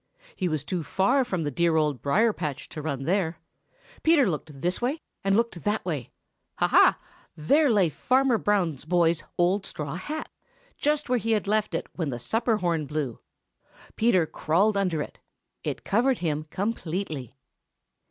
He was too far from the dear Old Briar patch to run there. Peter looked this way and looked that way. Ha! ha! There lay Fanner Brown's boy's old straw hat, just where he had left it when the supper horn blew. Peter crawled under it. It covered him completely.